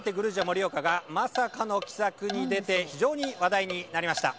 盛岡がまさかの奇策に出て非常に話題になりました。